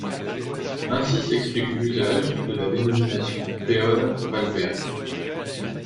Ainsi s'explique l'usage de la dénomination Péone-Valberg.